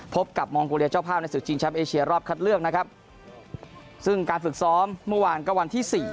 พบกับมองโกเลียเจ้าภาพในศึกชิงแชมป์เอเชียรอบคัดเลือกนะครับซึ่งการฝึกซ้อมเมื่อวานก็วันที่สี่